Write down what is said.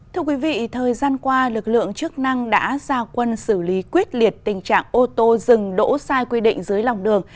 thưa quý vị thời gian qua lực lượng chức năng đã ra quân xử lý quyết liệt tình trạng ô tô dừng đỗ sai quy định dưới lòng đường